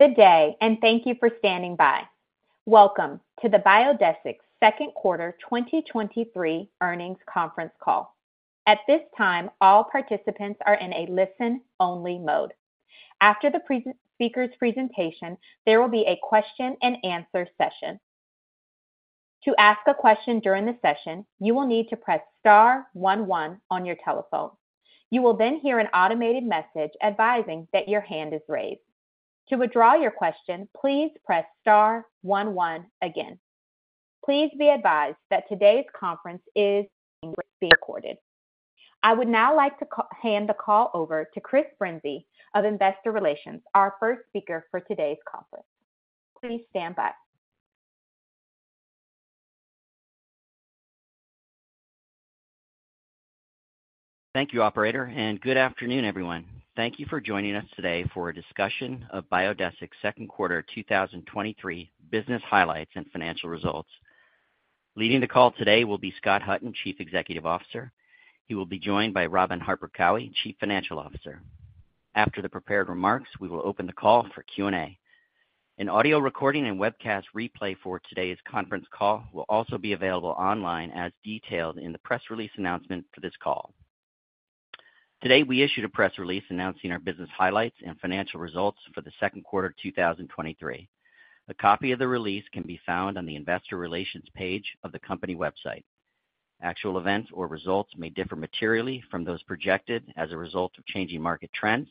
Good day, and thank you for standing by. Welcome to the Biodesix's Second Quarter 2023 Earnings Conference Call. At this time, all participants are in a listen-only mode. After the speaker's presentation, there will be a Q&A session. To ask a question during the session, you will need to press star one, one on your telephone. You will then hear an automated message advising that your hand is raised. To withdraw your question, please press star one, one again. Please be advised that today's conference is being recorded. I would now like to hand the call over to Chris Brinzey of Investor Relations, our first speaker for today's conference. Please stand by. Thank you, operator. Good afternoon, everyone. Thank you for joining us today for a discussion of Biodesix's second quarter 2023 business highlights and financial results. Leading the call today will be Scott Hutton, Chief Executive Officer. He will be joined by Robin Harper Cowie, Chief Financial Officer. After the prepared remarks, we will open the call for Q&A. An audio recording and webcast replay for today's conference call will also be available online, as detailed in the press release announcement for this call. Today, we issued a press release announcing our business highlights and financial results for the second quarter of 2023. A copy of the release can be found on the investor relations page of the company website. Actual events or results may differ materially from those projected as a result of changing market trends,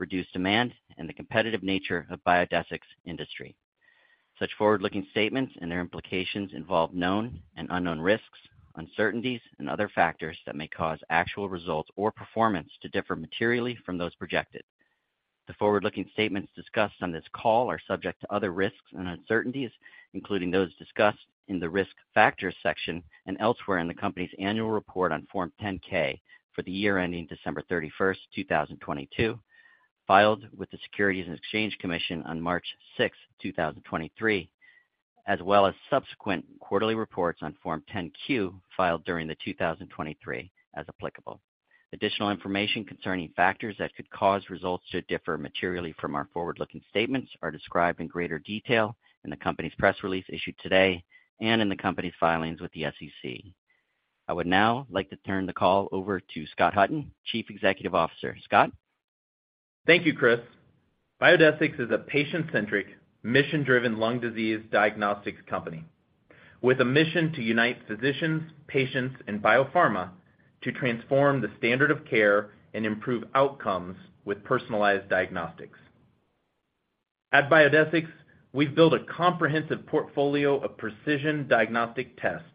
reduced demand, and the competitive nature of Biodesix's industry. Such forward-looking statements and their implications involve known and unknown risks, uncertainties, and other factors that may cause actual results or performance to differ materially from those projected. The forward-looking statements discussed on this call are subject to other risks and uncertainties, including those discussed in the Risk Factors section and elsewhere in the company's annual report on Form 10-K for the year ending December 31st, 2022, filed with the Securities and Exchange Commission on March 6th, 2023, as well as subsequent quarterly reports on Form 10-Q, filed during the 2023, as applicable. Additional information concerning factors that could cause results to differ materially from our forward-looking statements are described in greater detail in the company's press release issued today and in the company's filings with the SEC. I would now like to turn the call over to Scott Hutton, Chief Executive Officer. Scott? Thank you, Chris. Biodesix is a patient-centric, mission-driven lung disease diagnostics company with a mission to unite physicians, patients, and biopharma to transform the standard of care and improve outcomes with personalized diagnostics. At Biodesix, we've built a comprehensive portfolio of precision diagnostic tests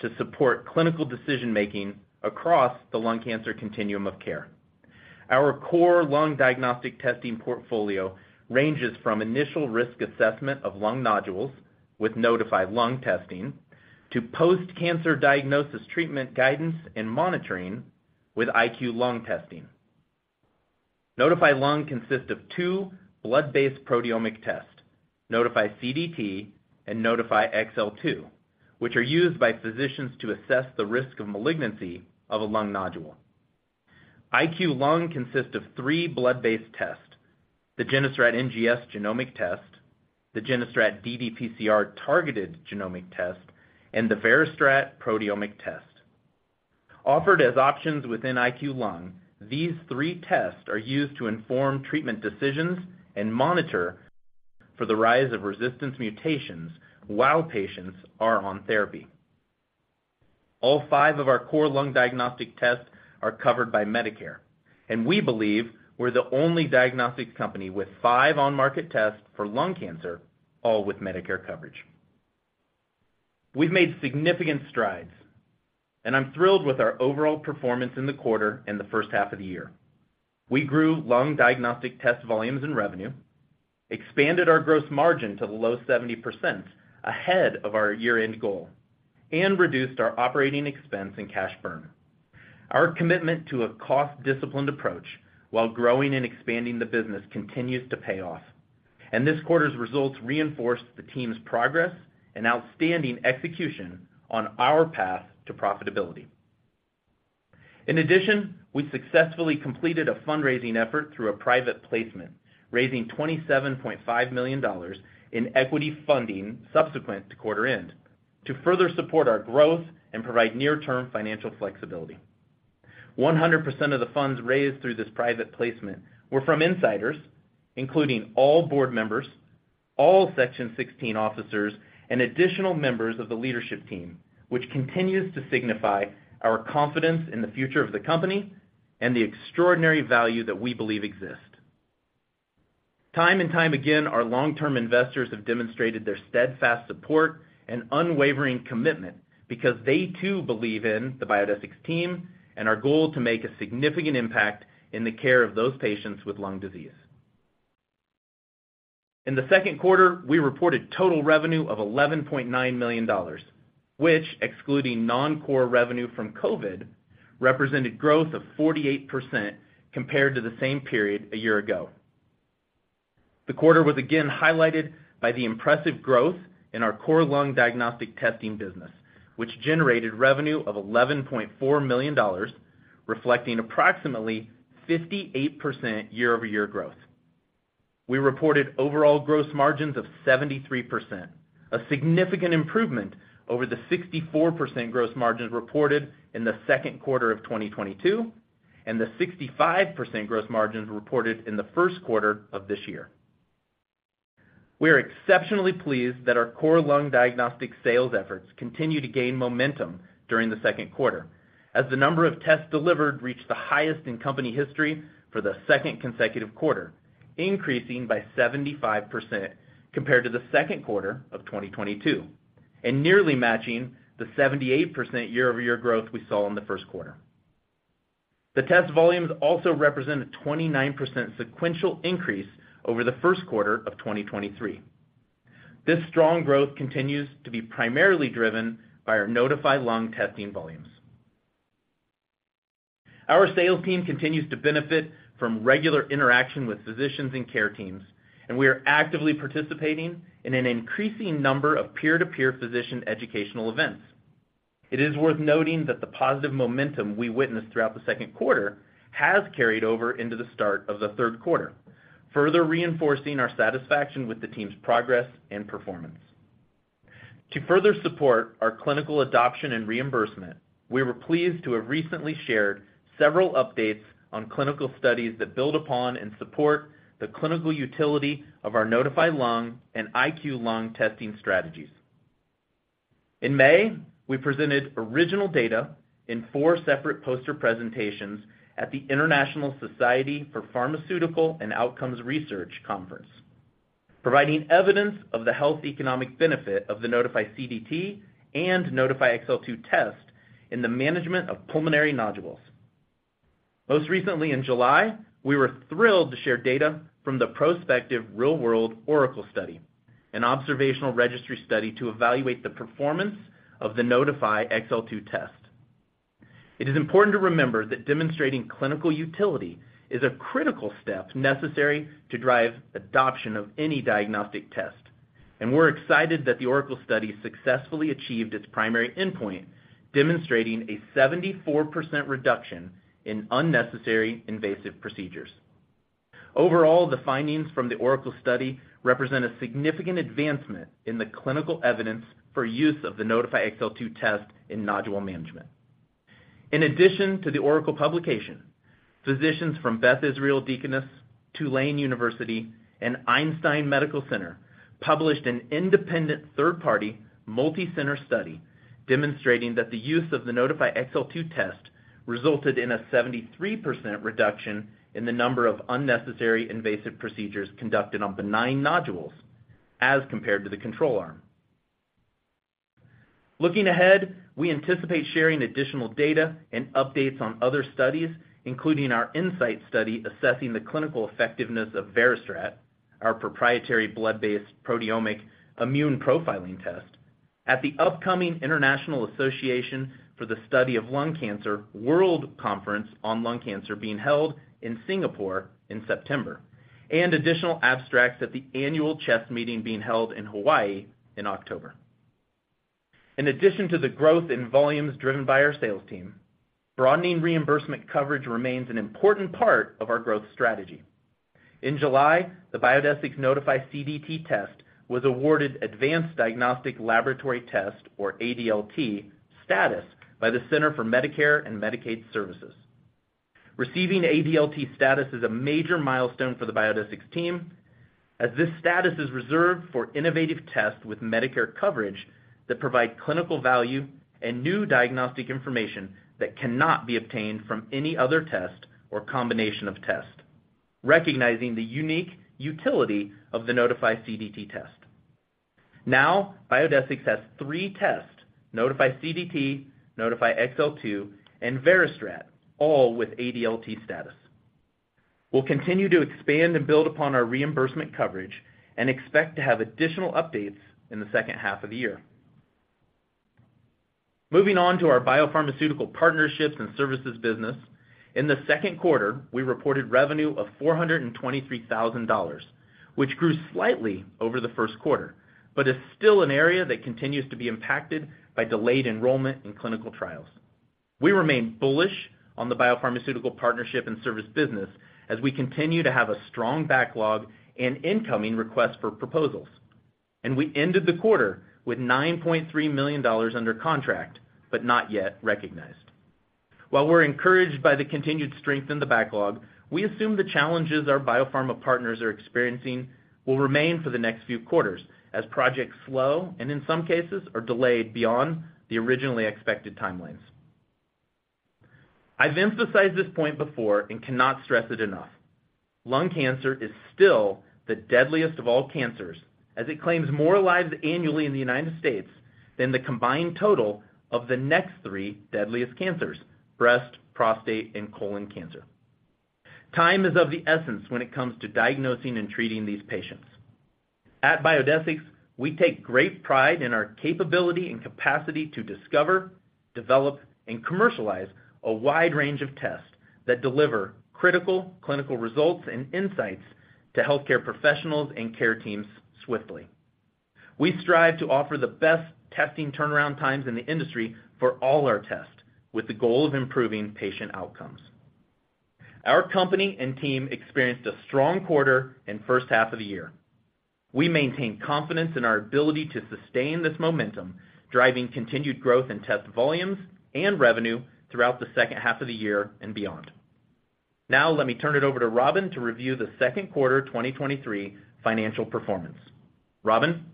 to support clinical decision-making across the lung cancer continuum of care. Our core lung diagnostic testing portfolio ranges from initial risk assessment of lung nodules with Nodify Lung Testing to post-cancer diagnosis treatment, guidance, and monitoring with IQLung Testing. Nodify Lung consists of two blood-based proteomic tests, Nodify CDT and Nodify XL2, which are used by physicians to assess the risk of malignancy of a lung nodule. IQLung consists of three blood-based tests: the GeneStrat NGS genomic test, the GeneStrat ddPCR targeted genomic test, and the VeriStrat proteomic test. Offered as options within IQLung, these three tests are used to inform treatment decisions and monitor for the rise of resistance mutations while patients are on therapy. All five of our core lung diagnostic tests are covered by Medicare, and we believe we're the only diagnostics company with five on-market tests for lung cancer, all with Medicare coverage. We've made significant strides. I'm thrilled with our overall performance in the quarter and the first half of the year. We grew lung diagnostic test volumes and revenue, expanded our gross margin to the low 70% ahead of our year-end goal, and reduced our OpEx and cash burn. Our commitment to a cost-disciplined approach while growing and expanding the business continues to pay off. This quarter's results reinforce the team's progress and outstanding execution on our path to profitability. In addition, we successfully completed a fundraising effort through a private placement, raising $27.5 million in equity funding subsequent to quarter end to further support our growth and provide near-term financial flexibility. 100% of the funds raised through this private placement were from insiders, including all board members, all Section 16 officers, and additional members of the leadership team, which continues to signify our confidence in the future of the company and the extraordinary value that we believe exists. Time and time again, our long-term investors have demonstrated their steadfast support and unwavering commitment because they too believe in the Biodesix team and our goal to make a significant impact in the care of those patients with lung disease. In the second quarter, we reported total revenue of $11.9 million, which, excluding non-core revenue from COVID, represented growth of 48% compared to the same period a year ago. The quarter was again highlighted by the impressive growth in our core lung diagnostic testing business, which generated revenue of $11.4 million reflecting approximately 58% year-over-year growth. We reported overall gross margins of 73%, a significant improvement over the 64% gross margins reported in the second quarter of 2022, and the 65% gross margins reported in the first quarter of this year. We are exceptionally pleased that our core lung diagnostic sales efforts continued to gain momentum during the second quarter, as the number of tests delivered reached the highest in company history for the second consecutive quarter, increasing by 75% compared to the second quarter of 2022, and nearly matching the 78% year-over-year growth we saw in the first quarter. The test volumes also represent a 29% sequential increase over the first quarter of 2023. This strong growth continues to be primarily driven by our Nodify Lung Testing volumes. Our sales team continues to benefit from regular interaction with physicians and care teams, and we are actively participating in an increasing number of peer-to-peer physician educational events. It is worth noting that the positive momentum we witnessed throughout the second quarter has carried over into the start of the third quarter, further reinforcing our satisfaction with the team's progress and performance. To further support our clinical adoption and reimbursement, we were pleased to have recently shared several updates on clinical studies that build upon and support the clinical utility of our Nodify Lung and IQLung testing strategies. In May, we presented original data in 4 separate poster presentations at the International Society for Pharmacoeconomics and Outcomes Research Conference, providing evidence of the health economic benefit of the Nodify CDT and Nodify XL2 test in the management of pulmonary nodules. Most recently, in July, we were thrilled to share data from the prospective real-world ORACLE study, an observational registry study to evaluate the performance of the Nodify XL2 test. It is important to remember that demonstrating clinical utility is a critical step necessary to drive adoption of any diagnostic test, and we're excited that the ORACLE study successfully achieved its primary endpoint, demonstrating a 74% reduction in unnecessary invasive procedures. Overall, the findings from the ORACLE study represent a significant advancement in the clinical evidence for use of the Nodify XL2 test in nodule management. In addition to the ORACLE publication, physicians from Beth Israel Deaconess Medical Center, Tulane University, and Einstein Medical Center published an independent third-party, multicenter study demonstrating that the use of the Nodify XL2 test resulted in a 73% reduction in the number of unnecessary invasive procedures conducted on benign nodules as compared to the control arm. Looking ahead, we anticipate sharing additional data and updates on other studies, including our INSIGHT study, assessing the clinical effectiveness of VeriStrat, our proprietary blood-based proteomic immune profiling test, at the upcoming International Association for the Study of Lung Cancer World Conference on Lung Cancer being held in Singapore in September, and additional abstracts at the Annual CHEST Meeting being held in Hawaii in October. In addition to the growth in volumes driven by our sales team, broadening reimbursement coverage remains an important part of our growth strategy. In July, the Biodesix Nodify CDT test was awarded Advanced Diagnostic Laboratory Test, or ADLT, status by the Centers for Medicare and Medicaid Services. Receiving ADLT status is a major milestone for the Biodesix team, as this status is reserved for innovative tests with Medicare coverage that provide clinical value and new diagnostic information that cannot be obtained from any other test or combination of tests, recognizing the unique utility of the Nodify CDT test. Now, Biodesix has three tests, Nodify CDT, Nodify XL2, and VeriStrat, all with ADLT status. We'll continue to expand and build upon our reimbursement coverage and expect to have additional updates in the second half of the year. Moving on to our biopharmaceutical partnerships and services business. In the second quarter, we reported revenue of $423,000, which grew slightly over the first quarter, but is still an area that continues to be impacted by delayed enrollment in clinical trials. We remain bullish on the biopharmaceutical partnership and service business as we continue to have a strong backlog and incoming requests for proposals. We ended the quarter with $9.3 million under contract, but not yet recognized. While we're encouraged by the continued strength in the backlog, we assume the challenges our biopharma partners are experiencing will remain for the next few quarters as projects slow and, in some cases, are delayed beyond the originally expected timelines. I've emphasized this point before and cannot stress it enough. Lung cancer is still the deadliest of all cancers, as it claims more lives annually in the United States than the combined total of the next three deadliest cancers: breast, prostate, and colon cancer. Time is of the essence when it comes to diagnosing and treating these patients. At Biodesix, we take great pride in our capability and capacity to discover, develop, and commercialize a wide range of tests that deliver critical clinical results and insights to healthcare professionals and care teams swiftly. We strive to offer the best testing turnaround times in the industry for all our tests, with the goal of improving patient outcomes. Our company and team experienced a strong quarter and first half of the year. We maintain confidence in our ability to sustain this momentum, driving continued growth in test volumes and revenue throughout the second half of the year and beyond. Now let me turn it over to Robin to review the second quarter 2023 financial performance. Robin?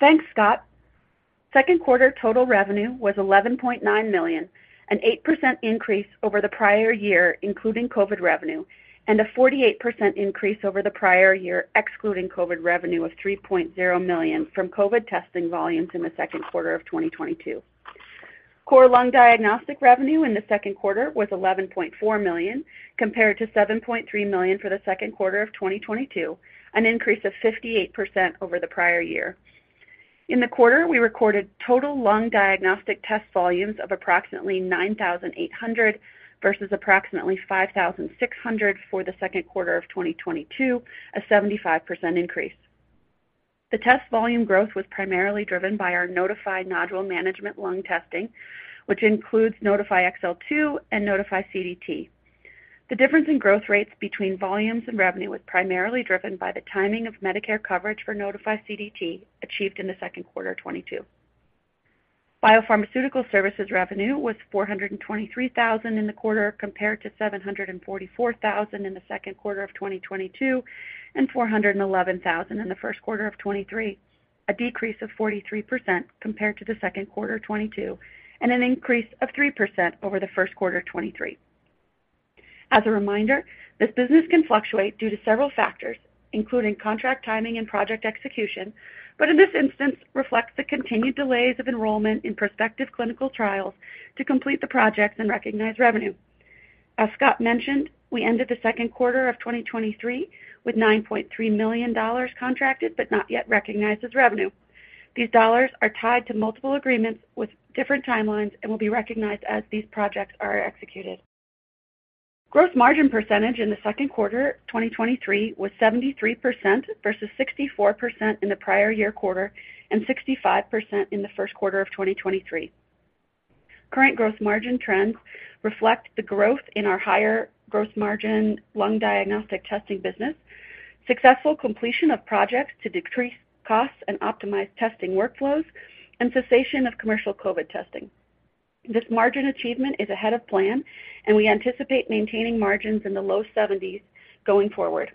Thanks, Scott. Second quarter total revenue was $11.9 million, an 8% increase over the prior year, including COVID revenue, and a 48% increase over the prior year, excluding COVID revenue of $3.0 million from COVID testing volumes in the second quarter of 2022. Core lung diagnostic revenue in the second quarter was $11.4 million, compared to $7.3 million for the second quarter of 2022, an increase of 58% over the prior year. In the quarter, we recorded total lung diagnostic test volumes of approximately 9,800 versus approximately 5,600 for the second quarter of 2022, a 75% increase. The test volume growth was primarily driven by our Nodify nodule management lung testing, which includes Nodify XL2 and Nodify CDT. The difference in growth rates between volumes and revenue was primarily driven by the timing of Medicare coverage for Nodify CDT, achieved in the second quarter of 2022. Biopharmaceutical services revenue was $423,000 in the quarter, compared to $744,000 in the second quarter of 2022, and $411,000 in the first quarter of 2023, a decrease of 43% compared to the second quarter of 2022, and an increase of 3% over the first quarter of 2023. As a reminder, this business can fluctuate due to several factors, including contract timing and project execution, but in this instance, reflects the continued delays of enrollment in prospective clinical trials to complete the projects and recognize revenue. As Scott mentioned, we ended the second quarter of 2023 with $9.3 million contracted, not yet recognized as revenue. These dollars are tied to multiple agreements with different timelines and will be recognized as these projects are executed. Gross margin percentage in the second quarter of 2023 was 73% versus 64% in the prior-year-quarter, 65% in the first quarter of 2023. Current gross margin trends reflect the growth in our higher gross margin lung diagnostic testing business, successful completion of projects to decrease costs and optimize testing workflows, cessation of commercial COVID testing. This margin achievement is ahead of plan, we anticipate maintaining margins in the low 70s going forward.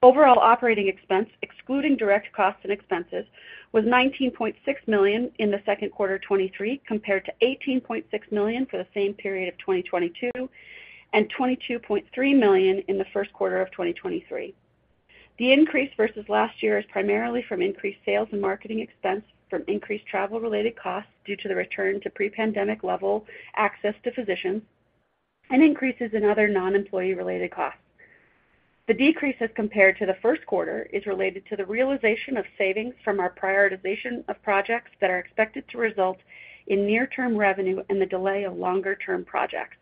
Overall operating expense, excluding direct costs and expenses, was $19.6 million in the second quarter of 2023, compared to $18.6 million for the same period of 2022 and $22.3 million in the first quarter of 2023. The increase versus last year is primarily from increased sales and marketing expense, from increased travel-related costs due to the return to pre-pandemic level access to physicians, and increases in other non-employee-related costs. The decrease as compared to the first quarter is related to the realization of savings from our prioritization of projects that are expected to result in near-term revenue and the delay of longer-term projects.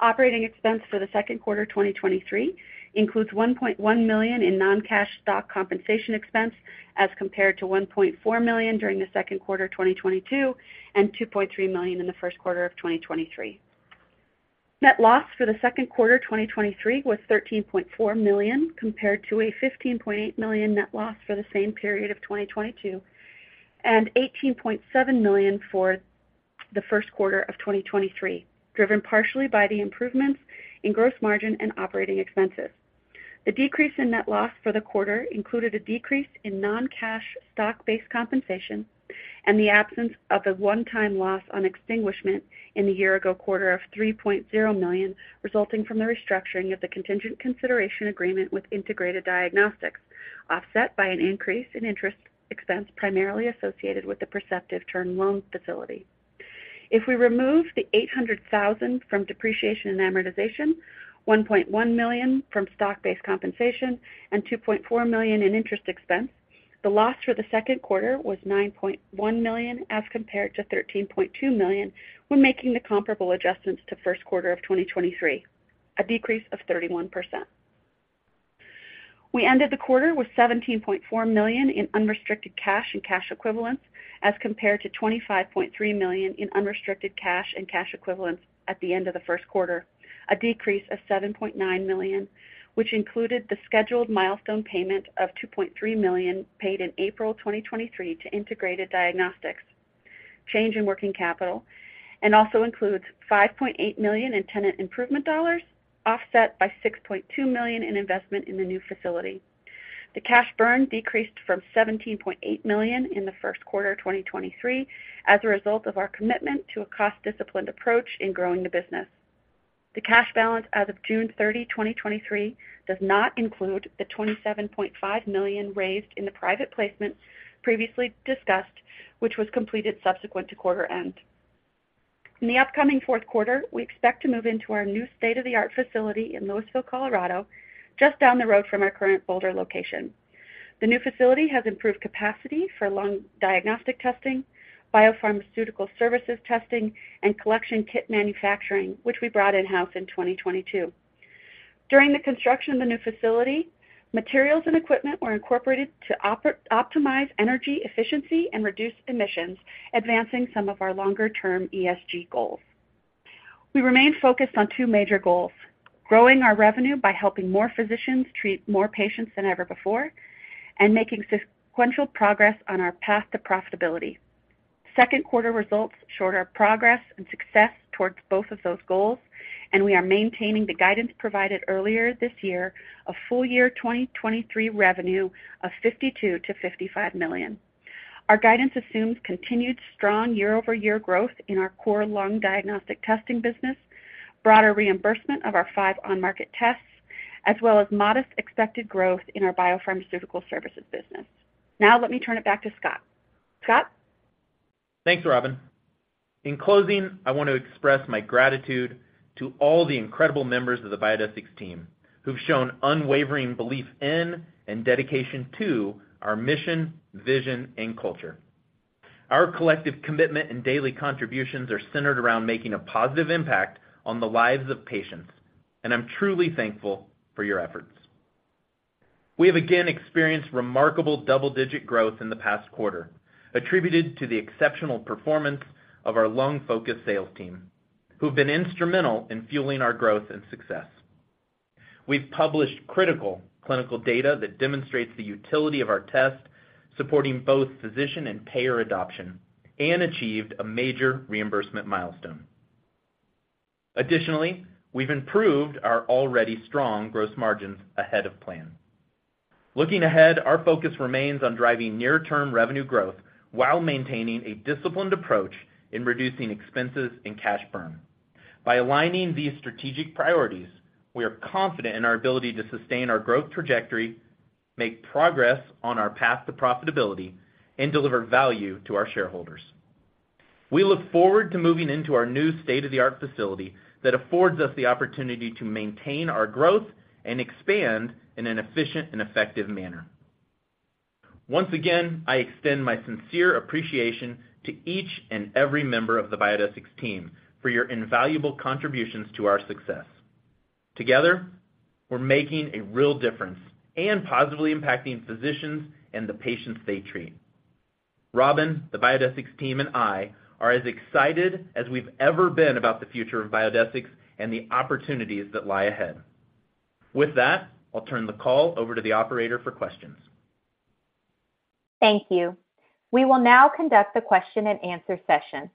Operating expense for the second quarter 2023 includes $1.1 million in non-cash stock compensation expense, as compared to $1.4 million during the second quarter of 2022 and $2.3 million in the first quarter of 2023. Net loss for the second quarter 2023 was $13.4 million, compared to a $15.8 million net loss for the same period of 2022, and $18.7 million for the first quarter of 2023, driven partially by the improvements in gross margin and operating expenses. The decrease in net loss for the quarter included a decrease in non-cash stock-based compensation and the absence of a one-time loss on extinguishment in the year ago quarter of $3.0 million, resulting from the restructuring of the contingent consideration agreement with Integrated Diagnostics, offset by an increase in interest expense primarily associated with the Perceptive Term Loan Facility. If we remove the $800,000 from depreciation and amortization, $1.1 million from stock-based compensation and $2.4 million in interest expense, the loss for the second quarter was $9.1 million as compared to $13.2 million when making the comparable adjustments to first quarter of 2023, a decrease of 31%. We ended the quarter with $17.4 million in unrestricted cash and cash equivalents as compared to $25.3 million in unrestricted cash and cash equivalents at the end of the first quarter, a decrease of $7.9 million, which included the scheduled milestone payment of $2.3 million paid in April 2023 to Integrated Diagnostics, change in working capital, and also includes $5.8 million in tenant improvement dollars, offset by $6.2 million in investment in the new facility. The cash burn decreased from $17.8 million in the first quarter of 2023 as a result of our commitment to a cost-disciplined approach in growing the business. The cash balance as of June 30, 2023, does not include the $27.5 million raised in the private placement previously discussed, which was completed subsequent to quarter end. In the upcoming fourth quarter, we expect to move into our new state-of-the-art facility in Louisville, Colorado, just down the road from our current Boulder location. The new facility has improved capacity for lung diagnostic testing, biopharmaceutical services testing, and collection kit manufacturing, which we brought in-house in 2022. During the construction of the new facility, materials and equipment were incorporated to optimize energy efficiency and reduce emissions, advancing some of our longer-term ESG goals. We remain focused on two major goals: growing our revenue by helping more physicians treat more patients than ever before, and making sequential progress on our path to profitability. Second quarter results showed our progress and success towards both of those goals. We are maintaining the guidance provided earlier this year, a full year 2023 revenue of $52 million-$55 million. Our guidance assumes continued strong year-over-year growth in our core lung diagnostic testing business, broader reimbursement of our five on-market tests, as well as modest expected growth in our biopharmaceutical services business. Now, let me turn it back to Scott. Scott? Thanks, Robin. In closing, I want to express my gratitude to all the incredible members of the Biodesix team, who've shown unwavering belief in and dedication to our mission, vision, and culture. Our collective commitment and daily contributions are centered around making a positive impact on the lives of patients, and I'm truly thankful for your efforts. We have again experienced remarkable double-digit growth in the past quarter, attributed to the exceptional performance of our lung-focused sales team, who've been instrumental in fueling our growth and success. We've published critical clinical data that demonstrates the utility of our test, supporting both physician and payer adoption, and achieved a major reimbursement milestone. Additionally, we've improved our already strong gross margins ahead of plan. Looking ahead, our focus remains on driving near-term revenue growth while maintaining a disciplined approach in reducing expenses and cash burn. By aligning these strategic priorities, we are confident in our ability to sustain our growth trajectory, make progress on our path to profitability, and deliver value to our shareholders. We look forward to moving into our new state-of-the-art facility that affords us the opportunity to maintain our growth and expand in an efficient and effective manner. Once again, I extend my sincere appreciation to each and every member of the Biodesix team for your invaluable contributions to our success. Together, we're making a real difference and positively impacting physicians and the patients they treat. Robin, the Biodesix team, and I are as excited as we've ever been about the future of Biodesix and the opportunities that lie ahead. With that, I'll turn the call over to the operator for questions. Thank you. We will now conduct a Q&A session.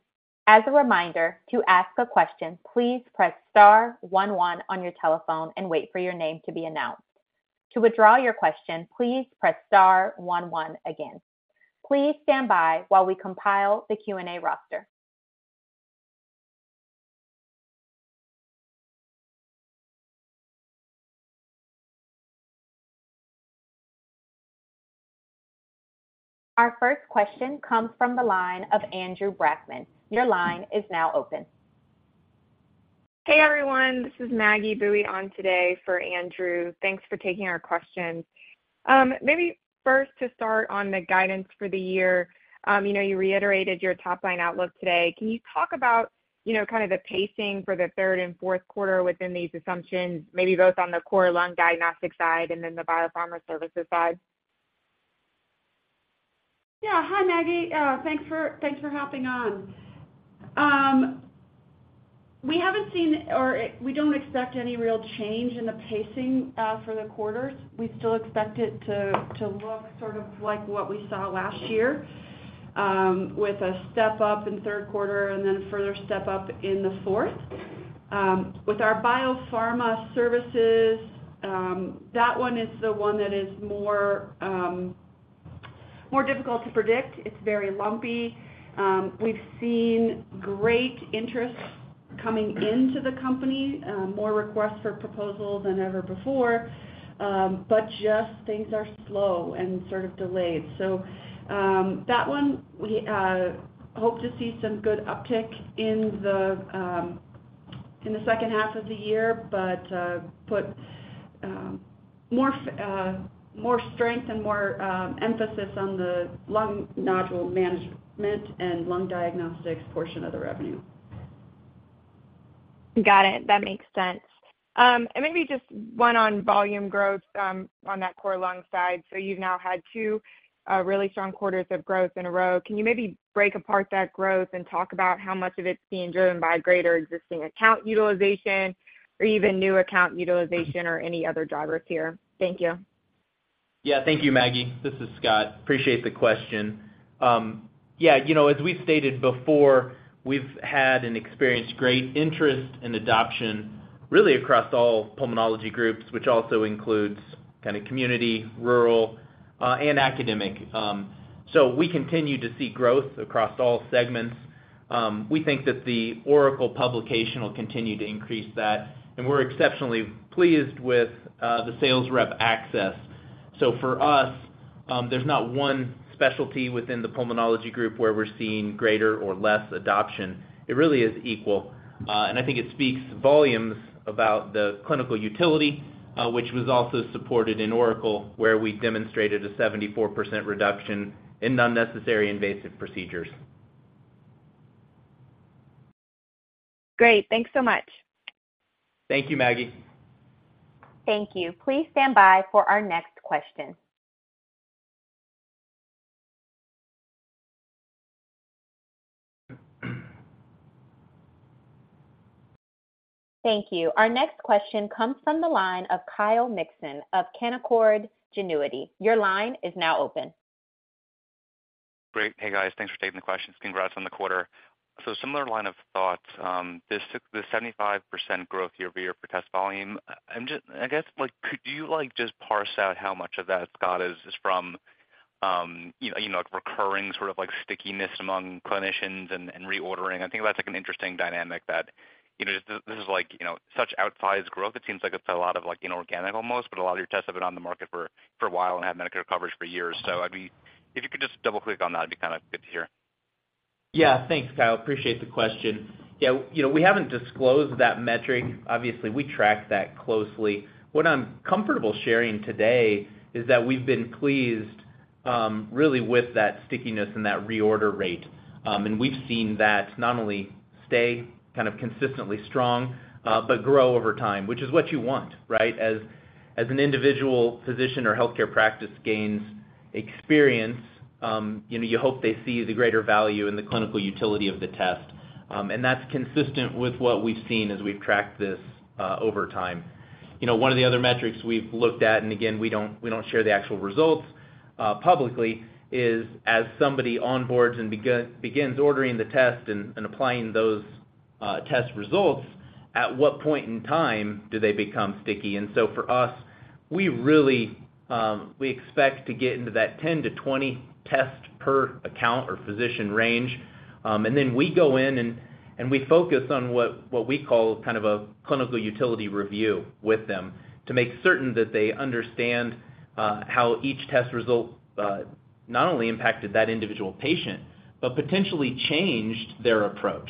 As a reminder, to ask a question, please press star one one on your telephone and wait for your name to be announced. To withdraw your question, please press star one one again. Please stand by while we compile the Q&A roster. Our first question comes from the line of Andrew Brackmann. Your line is now open. Hey, everyone, this is Maggie Bowie on today for Andrew Brackmann. Thanks for taking our questions. Maybe first to start on the guidance for the year. You know, you reiterated your top-line outlook today. Can you talk about, you know, kind of the pacing for the third and fourth quarter within these assumptions, maybe both on the core lung diagnostic side and then the biopharma services side? Yeah. Hi, Maggie. Thanks for, thanks for hopping on. We haven't seen or we don't expect any real change in the pacing for the quarters. We still expect it to, to look sort of like what we saw last year, with a step-up in third quarter and then a further step-up in the fourth. With our biopharma services, that one is the one that is more, more difficult to predict. It's very lumpy. We've seen great interest coming into the company, more requests for proposals than ever before, just things are slow and sort of delayed. That one, we hope to see some good uptick in the in the second half of the year, but put more strength and more emphasis on the lung nodule management and lung diagnostics portion of the revenue. Got it. That makes sense. Maybe just one on volume growth, on that core lung side. You've now had two really strong quarters of growth in a row. Can you maybe break apart that growth and talk about how much of it's being driven by greater existing account utilization or even new account utilization or any other drivers here? Thank you. Yeah. Thank you, Maggie. This is Scott. Appreciate the question. Yeah, you know, as we've stated before, we've had and experienced great interest and adoption, really across all pulmonology groups, which also includes kind of community, rural, and academic. We continue to see growth across all segments. We think that the ORACLE publication will continue to increase that, and we're exceptionally pleased with the sales rep access. For us, there's not one specialty within the pulmonology group where we're seeing greater or less adoption. It really is equal, and I think it speaks volumes about the clinical utility, which was also supported in ORACLE, where we demonstrated a 74% reduction in unnecessary invasive procedures. Great. Thanks so much. Thank you, Maggie. Thank you. Please stand by for our next question. Thank you. Our next question comes from the line of Kyle Mikson of Canaccord Genuity. Your line is now open. Great. Hey, guys. Thanks for taking the questions. Congrats on the quarter. Similar line of thought, this, the 75% growth year-over-year for test volume. I guess, like, could you, like, just parse out how much of that, Scott, is from, you know, like, recurring sort of, like, stickiness among clinicians and, and reordering? I think that's, like, an interesting dynamic that, you know, just this is, like, you know, such outsized growth, it seems like it's a lot of, like, inorganic almost, but a lot of your tests have been on the market for a while and had Medicare coverage for years. I mean, if you could just double-click on that, it'd be kind of good to hear. Yeah. Thanks, Kyle. Appreciate the question. Yeah, you know, we haven't disclosed that metric. Obviously, we track that closely. What I'm comfortable sharing today is that we've been pleased, really with that stickiness and that reorder rate. We've seen that not only stay kind of consistently strong, but grow over time, which is what you want, right? As, as an individual physician or healthcare practice gains experience, you know, you hope they see the greater value in the clinical utility of the test, and that's consistent with what we've seen as we've tracked this over time. You know, one of the other metrics we've looked at, and again, we don't, we don't share the actual results publicly, is as somebody onboards and begins ordering the test and applying those test results, at what point in time do they become sticky? So for us, we really, we expect to get into that 10-20 test per account or physician range, and then we go in and we focus on what we call kind of a clinical utility review with them to make certain that they understand how each test result not only impacted that individual patient, but potentially changed their approach.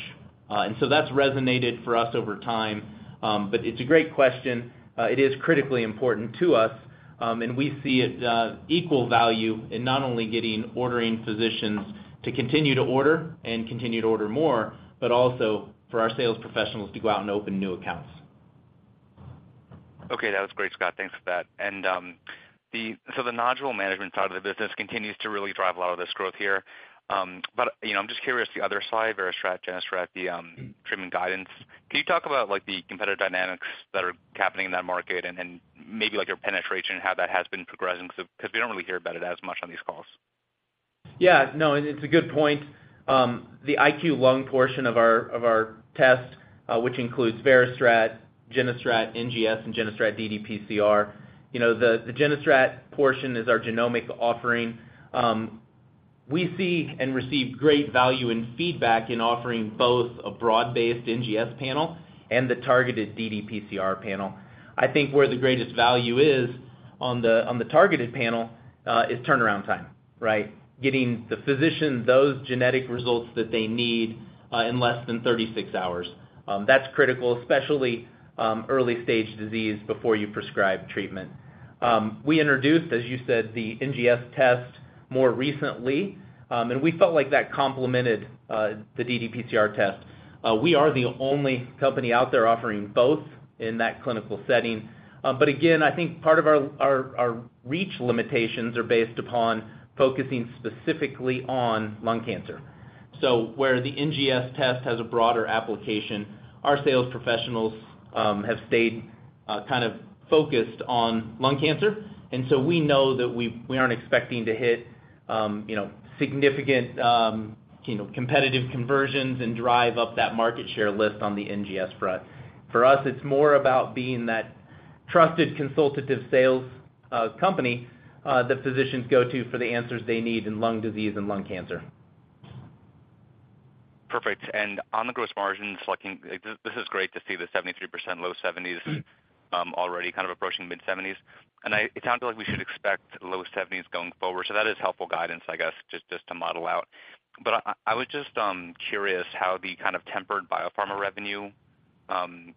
So that's resonated for us over time. It's a great question. It is critically important to us, and we see it, equal value in not only getting ordering physicians to continue to order and continue to order more, but also for our sales professionals to go out and open new accounts. Okay, that was great, Scott. Thanks for that. The nodule management side of the business continues to really drive a lot of this growth here. You know, I'm just curious, the other side, VeriStrat, GeneStrat, the, treatment guidance. Can you talk about, like, the competitive dynamics that are happening in that market and then maybe, like, your penetration and how that has been progressing? Cause we don't really hear about it as much on these calls. Yeah, no, it's a good point. The IQLung portion of our, of our test, which includes VeriStrat, GeneStrat NGS, and GeneStrat ddPCR. You know, the GeneStrat portion is our genomic offering. We see and receive great value and feedback in offering both a broad-based NGS panel and the targeted ddPCR panel. I think where the greatest value is on the targeted panel is turnaround time, right? Getting the physician those genetic results that they need in less than 36 hours. That's critical, especially, early stage disease before you prescribe treatment. We introduced, as you said, the NGS test more recently, and we felt like that complemented the ddPCR test. We are the only company out there offering both in that clinical setting. Again, I think part of our, our, our reach limitations are based upon focusing specifically on lung cancer. Where the NGS test has a broader application, our sales professionals have stayed kind of focused on lung cancer. We know that we, we aren't expecting to hit, you know, significant, you know, competitive conversions and drive up that market share list on the NGS front. For us, it's more about being that trusted consultative sales company that physicians go to for the answers they need in lung disease and lung cancer. Perfect. On the gross margins, like this is great to see the 73%, low 70s... Mm-hmm. I already kind of approaching mid-70s. I... It sounded like we should expect low 70s going forward, so that is helpful guidance, I guess, just to model out. I, I was just curious how the kind of tempered biopharma revenue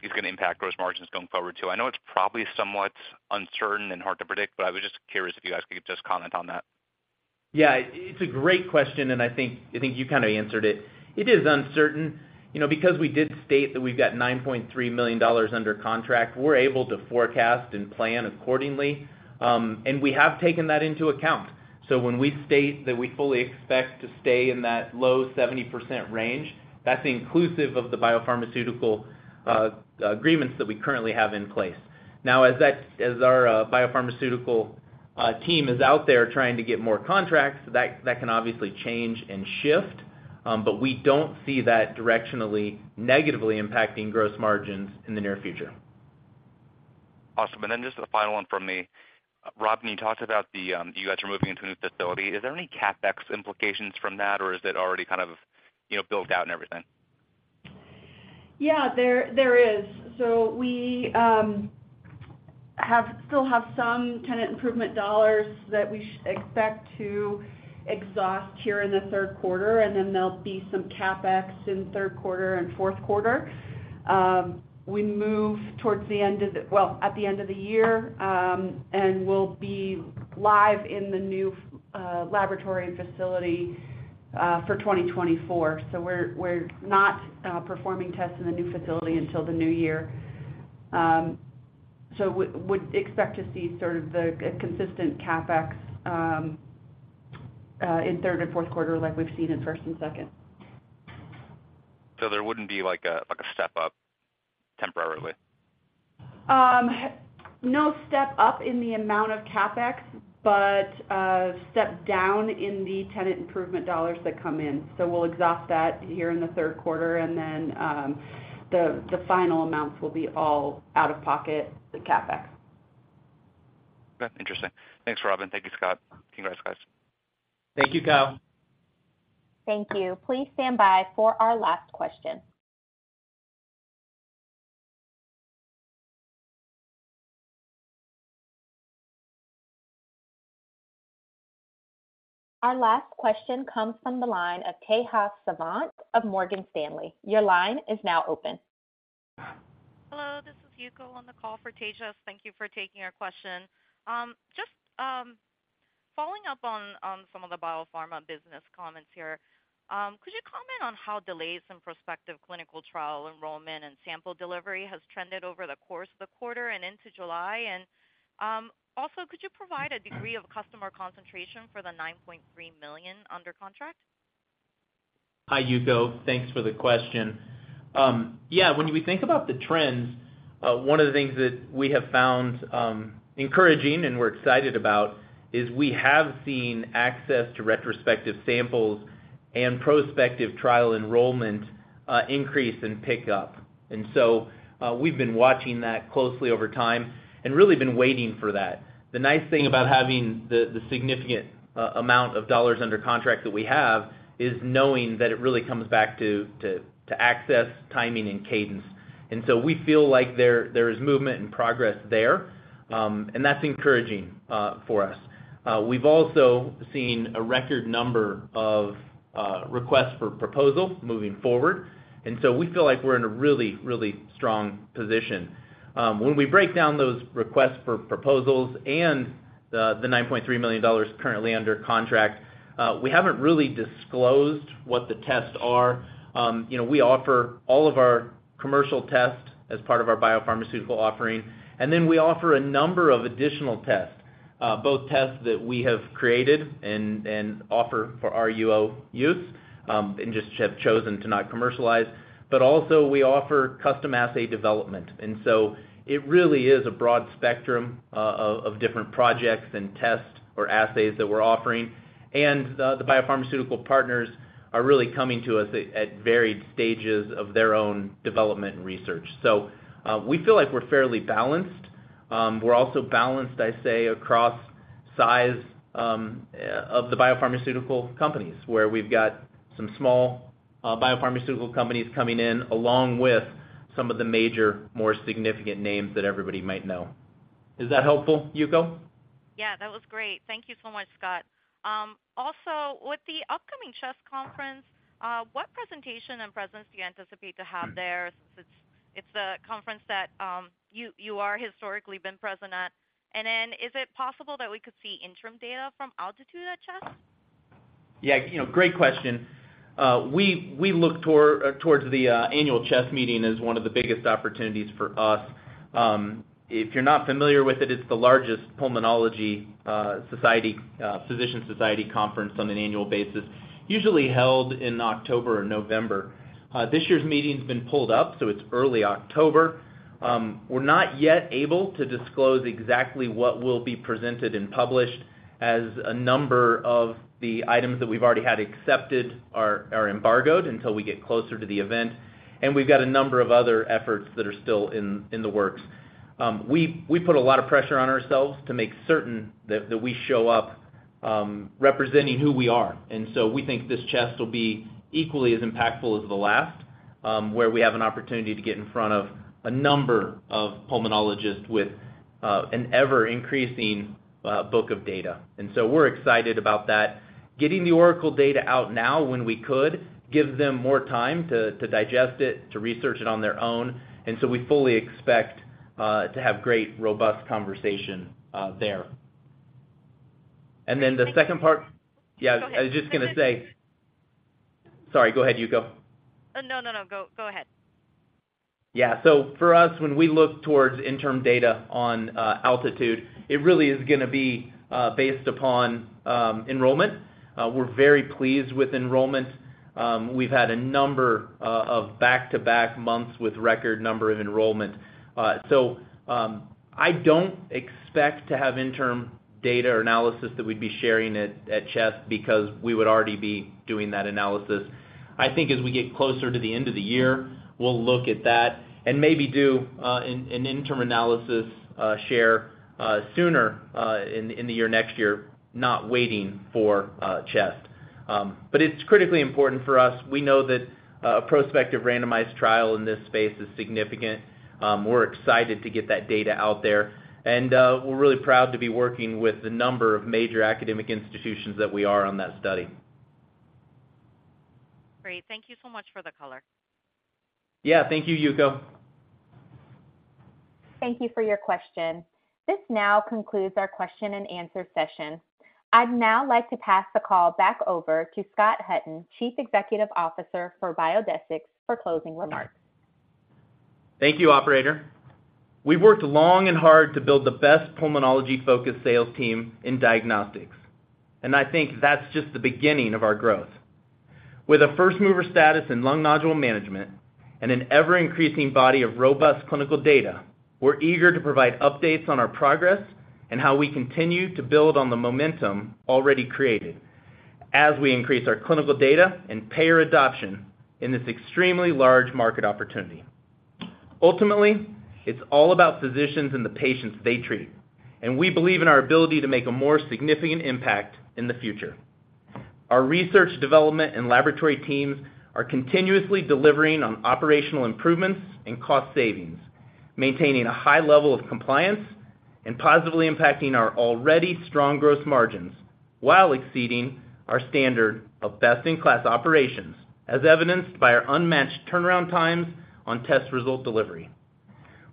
is gonna impact gross margins going forward, too. I know it's probably somewhat uncertain and hard to predict, but I was just curious if you guys could just comment on that. Yeah, it's a great question, and I think, I think you kind of answered it. It is uncertain. You know, because we did state that we've got $9.3 million under contract, we're able to forecast and plan accordingly. We have taken that into account. When we state that we fully expect to stay in that low 70% range, that's inclusive of the biopharmaceutical agreements that we currently have in place. As our biopharmaceutical team is out there trying to get more contracts, that can obviously change and shift, but we don't see that directionally negatively impacting gross margins in the near future. Awesome. Then just a final one from me. Robin, you talked about the, you guys are moving into a new facility. Is there any CapEx implications from that, or is it already kind of, you know, built out and everything? Yeah, there, there is. We still have some tenant improvement dollars that we expect to exhaust here in the third quarter, and then there'll be some CapEx in third quarter and fourth quarter. We move towards the end... at the end of the year, and we'll be live in the new laboratory and facility for 2024. We're not performing tests in the new facility until the new year. Would expect to see sort of the, a consistent CapEx in third and fourth quarter like we've seen in first and second? There wouldn't be like a, like a step up temporarily? No step up in the amount of CapEx, but step down in the tenant improvement dollars that come in. We'll exhaust that here in the third quarter. The final amounts will be all out-of-pocket, the CapEx. Okay, interesting. Thanks, Robin. Thank you, Scott. Congrats, guys. Thank you, Kyle. Thank you. Please stand by for our last question. Our last question comes from the line of Tejas Savant of Morgan Stanley. Your line is now open. Hello, this is Yuko on the call for Tejas. Thank you for taking our question. Just, on, on some of the biopharma business comments here. Could you comment on how delays in prospective clinical trial enrollment and sample delivery has trended over the course of the quarter and into July? Also, could you provide a degree of customer concentration for the $9.3 million under contract? Hi, Yuko. Thanks for the question. Yeah, when we think about the trends, one of the things that we have found encouraging and we're excited about is we have seen access to retrospective samples and prospective trial enrollment increase and pick up. We've been watching that closely over time and really been waiting for that. The nice thing about having the, the significant amount of dollars under contract that we have is knowing that it really comes back to access, timing, and cadence. We feel like there, there is movement and progress there, and that's encouraging for us. We've also seen a record number of requests for proposal moving forward, and we feel like we're in a really, really strong position. When we break down those requests for proposals and the, the $9.3 million currently under contract, we haven't really disclosed what the tests are. You know, we offer all of our commercial tests as part of our biopharmaceutical offering, and then we offer a number of additional tests, both tests that we have created and, and offer for our RUO use, and just have chosen to not commercialize, but also we offer custom assay development. It really is a broad spectrum of different projects and tests or assays that we're offering. The, the biopharmaceutical partners are really coming to us at varied stages of their own development and research. We feel like we're fairly balanced. We're also balanced, I say, across size of the biopharmaceutical companies, where we've got some small biopharmaceutical companies coming in, along with some of the major, more significant names that everybody might know. Is that helpful, Yuko? Yeah, that was great. Thank you so much, Scott. With the upcoming CHEST conference, what presentation and presence do you anticipate to have there, since it's, it's a conference that, you, you are historically been present at? Then is it possible that we could see interim data from Altitude at CHEST? Yeah, you know, great question. We, we look toward, towards the annual CHEST meeting as one of the biggest opportunities for us. If you're not familiar with it, it's the largest pulmonology, society, physician society conference on an annual basis, usually held in October or November. This year's meeting's been pulled up, so it's early October. We're not yet able to disclose exactly what will be presented and published, as a number of the items that we've already had accepted are embargoed until we get closer to the event. We've got a number of other efforts that are still in, in the works. We, we put a lot of pressure on ourselves to make certain that we show up, representing who we are. We think this CHEST will be equally as impactful as the last, where we have an opportunity to get in front of a number of pulmonologists with an ever-increasing book of data. We're excited about that. Getting the ORACLE data out now, when we could, gives them more time to digest it, to research it on their own, and so we fully expect to have great, robust conversation there. The second part- yeah- Go ahead. I was just gonna say. Sorry, go ahead, Yuko. No, no, no. Go, go ahead. Yeah. For us, when we look towards interim data on ALTITUDE, it really is gonna be based upon enrollment. We're very pleased with enrollment. We've had a number of back-to-back months with record number of enrollment. I don't expect to have interim data or analysis that we'd be sharing at CHEST because we would already be doing that analysis. I think as we get closer to the end of the year, we'll look at that and maybe do an interim analysis share sooner in the next year, not waiting for CHEST. But it's critically important for us. We know that a prospective randomized trial in this space is significant. We're excited to get that data out there, and, we're really proud to be working with the number of major academic institutions that we are on that study. Great. Thank you so much for the color. Yeah. Thank you, Yuko. Thank you for your question. This now concludes our Q&A session. I'd now like to pass the call back over to Scott Hutton, Chief Executive Officer for Biodesix, for closing remarks. Thank you, Operator. We've worked long and hard to build the best pulmonology-focused sales team in diagnostics, and I think that's just the beginning of our growth. With a first-mover status in lung nodule management and an ever-increasing body of robust clinical data, we're eager to provide updates on our progress and how we continue to build on the momentum already created, as we increase our clinical data and payer adoption in this extremely large market opportunity. Ultimately, it's all about physicians and the patients they treat, and we believe in our ability to make a more significant impact in the future. Our research, development, and laboratory teams are continuously delivering on operational improvements and cost savings, maintaining a high level of compliance and positively impacting our already strong growth margins while exceeding our standard of best-in-class operations, as evidenced by our unmatched turnaround times on test result delivery.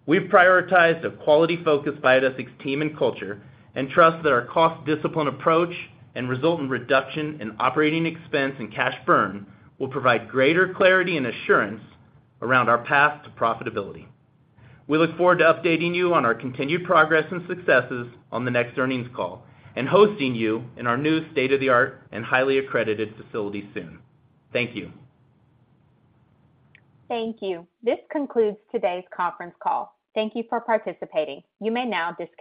We've prioritized a quality-focused Biodesix team and culture and trust that our cost discipline approach and resultant reduction in operating expense and cash burn will provide greater clarity and assurance around our path to profitability. We look forward to updating you on our continued progress and successes on the next earnings call and hosting you in our new state-of-the-art and highly accredited facility soon. Thank you. Thank you. This concludes today's conference call. Thank you for participating. You may now disconnect.